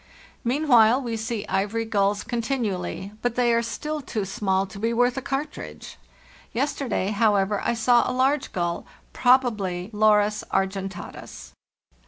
Meanwhile we see ivory culls continually; but they are still too small to be worth a cartridge; yesterday, however, I saw a large gull, prob ably Larus argentatus.